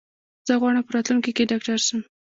زه غواړم په راتلونکي کې ډاکټر شم.